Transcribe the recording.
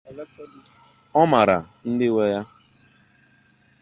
ọ mara ndị nwe ya